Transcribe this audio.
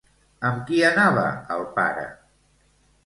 Amb qui anava el pare?